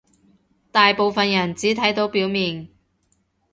大部分人只睇到表面